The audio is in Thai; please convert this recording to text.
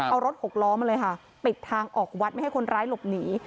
เอารถหกล้อมาเลยค่ะปิดทางออกวัดไม่ให้คนร้ายหลบหนี